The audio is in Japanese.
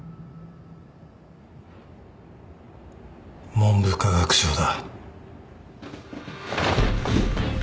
文部科学省だ。